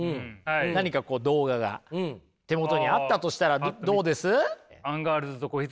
何か動画が手元にあったとしたらどうです？